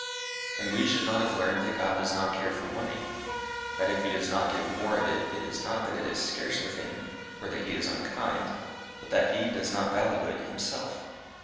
And we should not have learned that God does not care for money; that if he does not give more of it it is not that it is scarce with him, or that he is unkind, but that he does not value it himself.